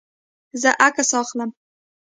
زه عکس اخلم